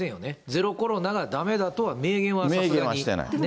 ゼロコロナがだめだとは明言はしていない。